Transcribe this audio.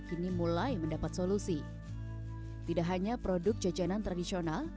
kini mulai mendapat solusi tidak hanya produk jajanan tradisional